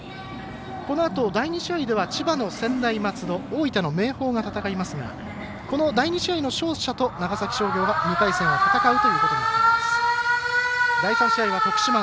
このあと第２試合で千葉の専大松戸と大分の明豊が戦いますがこの第２試合の勝者と長崎商業が２回戦を戦うということになります。